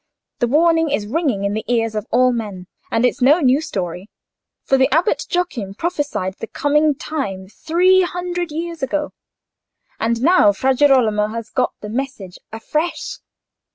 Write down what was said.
The warning is ringing in the ears of all men: and it's no new story; for the Abbot Joachim prophesied of the coming time three hundred years ago, and now Fra Girolamo has got the message afresh.